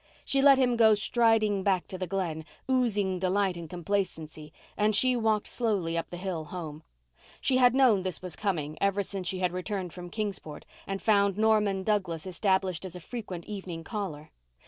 She let him go striding back to the Glen, oozing delight and complacency, and she walked slowly up the hill home. She had known this was coming ever since she had returned from Kingsport, and found Norman Douglas established as a frequent evening caller.